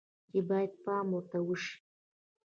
چې باید پام ورته شي